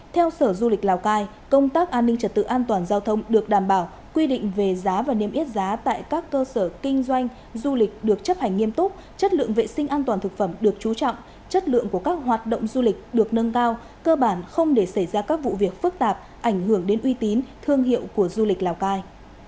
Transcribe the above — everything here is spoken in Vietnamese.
theo sở du lịch lào cai công tác an ninh trật tự an toàn giao thông được đảm bảo quy định về giá và niêm yết giá tại các cơ sở kinh doanh du lịch được chấp hành nghiêm túc chất lượng vệ sinh an toàn thực phẩm được trú trọng chất lượng của các hoạt động du lịch được nâng cao cơ bản không để xảy ra các vụ việc phức tạp ảnh hưởng đến uy tín thương hiệu của du lịch lào cai